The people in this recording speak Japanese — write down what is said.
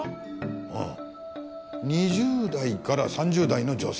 うん２０代から３０代の女性。